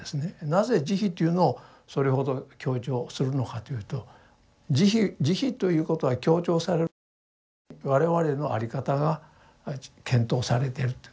なぜ慈悲というのをそれほど強調するのかというと慈悲ということが強調される背景に我々の在り方が検討されていると。